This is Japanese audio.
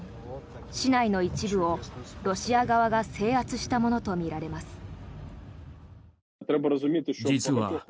市内の一部をロシア側が制圧したものとみられます。